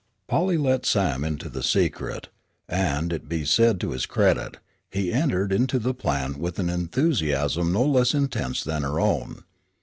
Polly let Sam into the secret, and, be it said to his credit, he entered into the plan with an enthusiasm no less intense than her own.